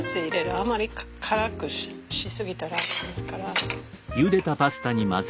あんまり辛くし過ぎたら駄目ですから。